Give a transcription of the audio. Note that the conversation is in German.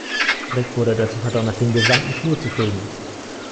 Rick wurde dazu verdonnert, den gesamten Flur zu fegen.